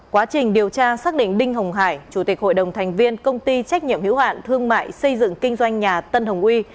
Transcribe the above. quá trình điều tra xác định đinh hồng hải chủ tịch hội đồng thành viên công ty trách nhiệm hiếu hạn thương mại xây dựng kinh doanh nhà tân hồng huy